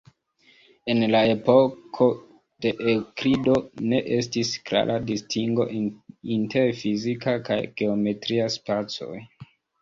En la epoko de Eŭklido, ne estis klara distingo inter fizika kaj geometria spacoj.